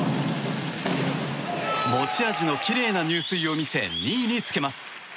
持ち味のきれいな入水を見せ２位につけます。